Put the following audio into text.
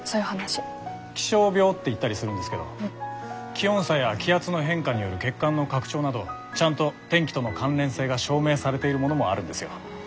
気象病って言ったりするんですけど気温差や気圧の変化による血管の拡張などちゃんと天気との関連性が証明されているものもあるんですよ。